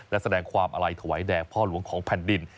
และแสดงความอาลัยถวายแด่พ่อหลวงของแผ่นดิน